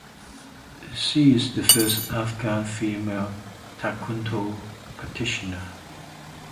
She is the first Afghan female taekwondo practitioner.